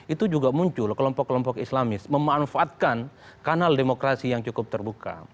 itu juga muncul kelompok kelompok islamis memanfaatkan kanal demokrasi yang cukup terbuka